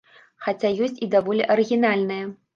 Хаця, ёсць і даволі арыгінальныя.